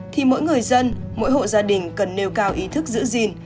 thì mỗi người dân mỗi hộ gia đình cần nêu cao ý thức giữ gìn